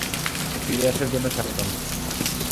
ফিরে আসার জন্য স্বাগতম।